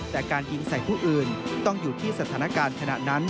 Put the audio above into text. แต่การยิงใส่ผู้อื่นต้องอยู่ที่สถานการณ์ขณะนั้น